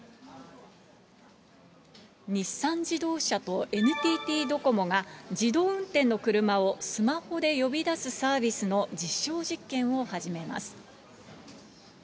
日産自動車とＮＴＴドコモが、自動運転の車をスマホで呼び出すサービスの実証実験を始めます。